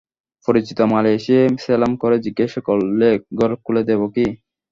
পরিচিত মালী এসে সেলাম করে জিজ্ঞাসা করলে, ঘর খুলে দেব কি।